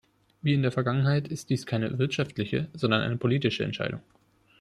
Wie in der Vergangenheit ist dies keine "wirtschaftliche", sondern eine politische Entscheidung.